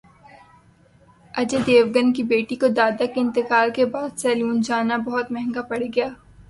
اجے دیوگن کی بیٹی کو دادا کے انتقال کے بعد سیلون جانا مہنگا پڑ گیا